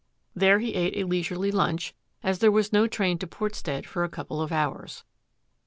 There he ate a leisurely lunch, as there was no train to Portstead for a couple of hours.